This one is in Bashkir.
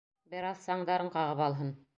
Бер аҙ саңдарын ҡағып алһын...